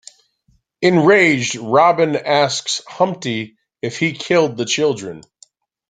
Enraged, Robin asks Humpty if he killed the children.